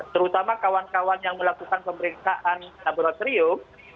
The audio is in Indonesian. terutama kawan kawan yang melakukan pemeriksaan laboratorium